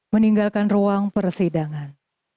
meninggalkan ruang persidangan